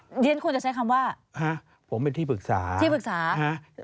เดี๋ยวเนี่ยคุณจะใช้คำว่าฮะผมเป็นที่ปรึกษาฮะที่ปรึกษา